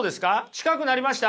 近くなりました？